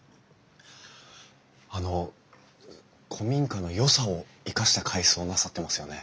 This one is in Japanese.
あの古民家のよさを生かした改装をなさってますよね。